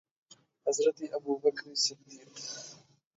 حضرت ابوبکر صدیق